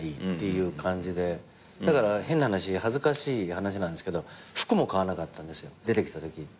だから変な話恥ずかしい話なんですけど服も買わなかったんですよ出てきたとき。